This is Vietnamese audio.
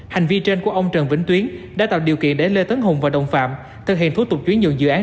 hành vi trên của ông trần vĩnh tuyến đã tạo điều kiện để lê tấn hùng và đồng phạm thực hiện thủ tục chuyển nhượng dự án